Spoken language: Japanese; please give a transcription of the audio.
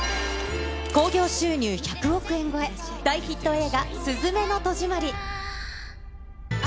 興行収入１００億円超え、大ヒット映画、すずめの戸締まり。